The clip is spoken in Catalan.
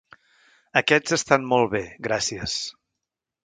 Aquests estan molt bé, gràcies.